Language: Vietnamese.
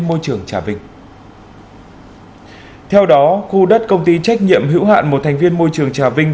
môi trường trà vinh theo đó khu đất công ty trách nhiệm hữu hạn một thành viên môi trường trà vinh